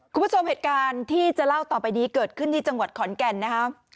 คุณผู้ชมเหตุการณ์ที่จะเล่าต่อไปนี้เกิดขึ้นที่จังหวัดขอนแก่นนะครับ